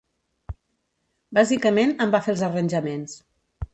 Bàsicament, em va fer els arranjaments.